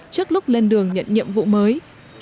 trước lúc lên đường nhận nhiệm vụ mới